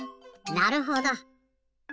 なるほど。